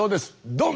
ドン！